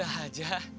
gak apa apa aja